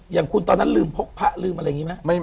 อย่างคุณตอนนั้นพกพระลืมอะไรยังงี้มั้ย